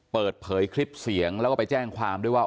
เปิดเผยคลิปเสียงแล้วก็ไปแจ้งความด้วยว่า